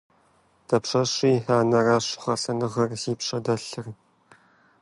Дапщэщи анэращ гъэсэныгъэр зи пщэ дэлъыр.